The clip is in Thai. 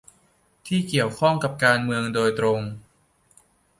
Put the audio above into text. ที่เกี่ยวข้องกับการเมืองโดยตรง